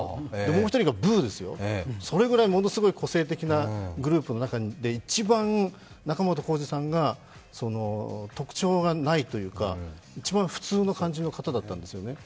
もう１人がブーですよ、それぐらい、ものすごい個性的なグループの中で、一番、仲本工事さんが特徴がないというか、一番普通の感じの方だったんですよね。